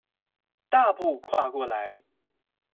大步跨過來